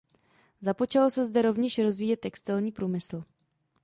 Započal se zde rovněž rozvíjet textilní průmysl.